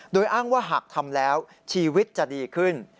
โดยอ้างว่าหากทำแล้วชีวิตจะดีขึ้น